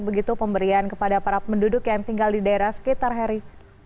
begitu pemberian kepada para penduduk yang tinggal di daerah sekitar heri